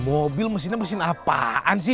mobil mesinnya mesin apaan sih